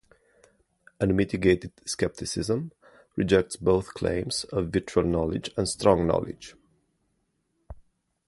Unmitigated skepticism rejects both claims of virtual knowledge and strong knowledge.